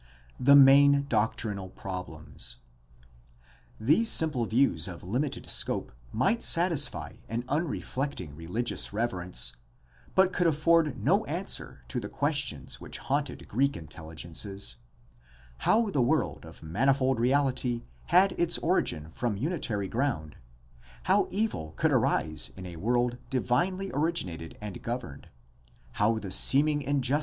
The main doctrinal problems. — These simple views of limited scope might satisfy an unreflecting religious reverence but could afford no answer to the questions which haunted Greek intelligences: how the world of manifold reality had its origin from unitary ground, how evil could arise in a world divinely originated and governed^ how the seeming injustice ' Tertullian, Against Praxeas, 3; Origen, Commentary on John, II, sec.